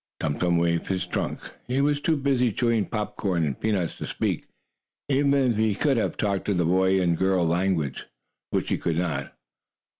Tum Tum waved his trunk. He was too busy chewing popcorn and peanuts to speak, even if he could have talked boy and girl language, which he could not.